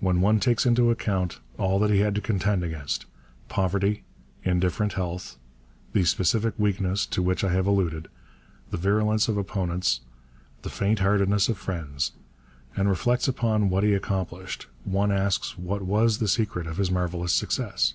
When one takes into account all that he had to contend against poverty, indifferent health, the specific weakness to which I have alluded, the virulence of opponents, the faint heartedness of friends and reflects upon what he accomplished, one asks what was the secret of his marvellous success?